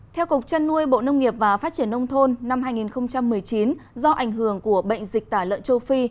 theo cục trăn nuôi bộ nông nghiệp và phát triển nông thôn năm hai nghìn một mươi chín do ảnh hưởng của bệnh dịch tả lợn châu phi